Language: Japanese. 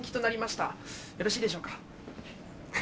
よろしいでしょうか？